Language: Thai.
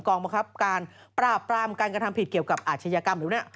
บังคับการปราบปรามการกระทำผิดเกี่ยวกับอาชญากรรมแบบนี้